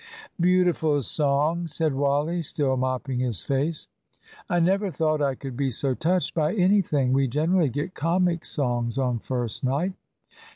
"Beautiful song," said Wally, still mopping his face. "I never thought I could be so touched by anything. We generally get comic songs on first night."